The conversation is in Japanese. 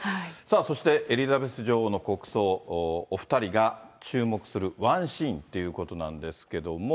そして、エリザベス女王の国葬、お２人が注目するワンシーンっていうことなんですけれども。